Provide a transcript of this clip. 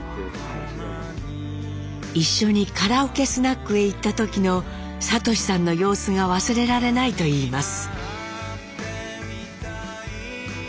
一緒にカラオケスナックへ行った時の智さんの様子が忘れられないといいます。